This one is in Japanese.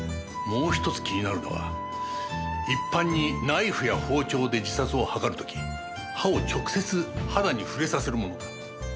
もう１つ気になるのは一般にナイフや包丁で自殺を図る時刃を直接肌に触れさせるものだ。